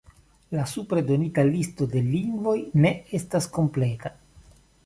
La supre donita listo de lingvoj ne estas kompleta.